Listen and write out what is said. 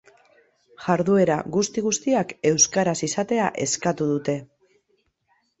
Jarduera guzti-guztiak euskaraz izatea eskatu dute.